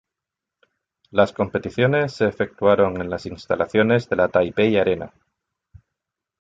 Las competiciones se efectuaron en las instalaciones de la Taipei Arena.